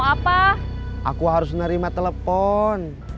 mau apa aku harus nerima telanjangmu